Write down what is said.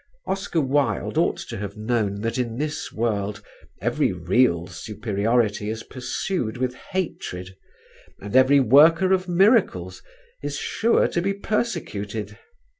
Oscar Wilde ought to have known that in this world every real superiority is pursued with hatred, and every worker of miracles is sure to be persecuted.